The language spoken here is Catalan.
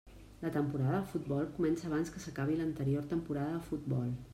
La temporada de futbol comença abans que s'acabi l'anterior temporada de futbol.